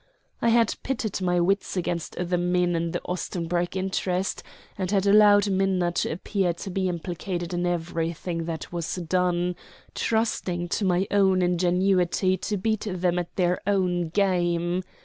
I had pitted my wits against the men in the Ostenburg interest, and had allowed Minna to appear to be implicated in everything that was done, trusting to my own ingenuity to beat them at their own game.